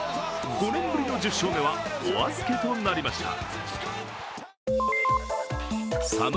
５年ぶりの１０勝目はお預けとなりました。